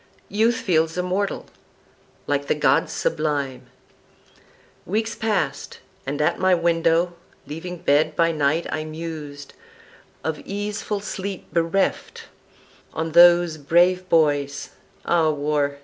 Youth feels immortal, like the gods sublime. Weeks passed; and at my window, leaving bed, By night I mused, of easeful sleep bereft, On those brave boys (Ah War!